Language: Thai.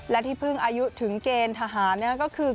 และที่เพิ่งอายุถึงเกณฑ์ทหารก็คือ